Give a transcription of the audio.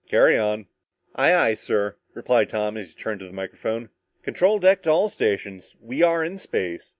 Carry on." "Aye, aye, sir," replied Tom and he turned to the microphone. "Control deck to all stations! We are in space!